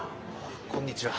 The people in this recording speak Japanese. こんにちは。